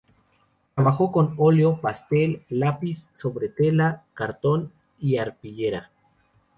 Trabajó con óleo, pastel, lápiz, sobre tela, cartón y arpillera.